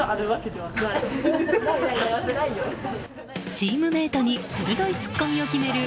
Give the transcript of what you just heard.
チームメートに鋭いツッコミを決める